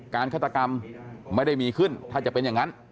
ฆาตกรรมไม่ได้มีขึ้นถ้าจะเป็นอย่างนั้น